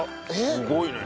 すごいね。